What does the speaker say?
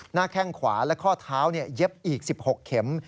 แข้งขวาและข้อเท้าเย็บอีก๑๖เข็ม